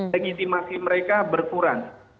legitimasi mereka berkurang